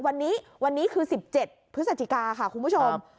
วันนี้คือสิบเจ็ดพฤศจิกาค่ะคุณผู้ชม